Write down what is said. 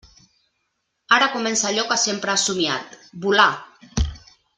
Ara comença allò que sempre has somiat: volar!